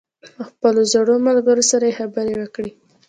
له خپلو زړو ملګرو سره یې خبرې وکړې.